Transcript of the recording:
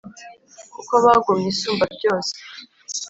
Kuko bagomeye Isumba byose